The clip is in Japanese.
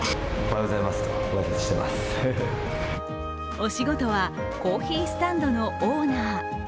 お仕事はコーヒースタンドのオーナー。